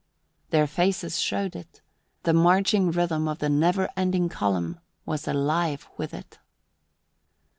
Their faces showed it; the marching rhythm of the never ending column was alive with it.